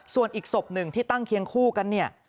ส่วนอีกศพหนึ่งที่ตั้งเคียงคู่กันเนี่ย